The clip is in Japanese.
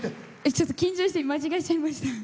ちょっと緊張して間違えちゃいました。